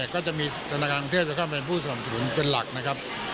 ก็จะมีธนาคารกรุงเทพจะเข้าเป็นผู้สนับสนุนเป็นหลักนะครับ